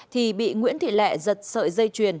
thì bị nguyễn thị lệ giật sợi dây chuyền